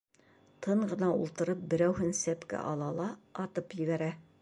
Тын ғына ултырып берәүһен сәпкә ала ла атып ебәрә.